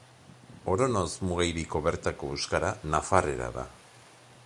Oronoz-Mugairiko bertako euskara nafarrera da.